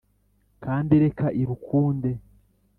Kandi reka irukunde